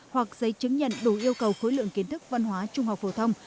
hoặc giấy chứng nhận đủ yêu cầu khối lượng kiến thức văn hóa trung học phổ thông